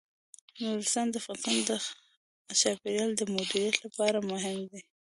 نورستان د افغانستان د چاپیریال د مدیریت لپاره مهم دي.